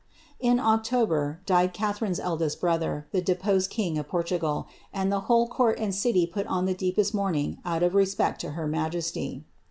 * 1q October, died Catharine's eldest brother, the deposed king of Por tugal, and the whole court and city put on the deepest mourning out of respect to her majesty.